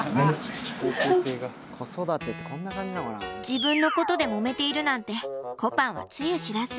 自分のことでもめているなんてこぱんはつゆ知らず。